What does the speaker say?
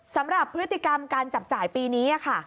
สำหรับพฤติกรรมการจับจ่ายปีนี้ค่ะ